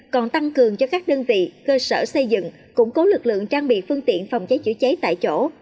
còn tăng cường cho các đơn vị cơ sở xây dựng củng cố lực lượng trang bị phương tiện phòng cháy chữa cháy tại chỗ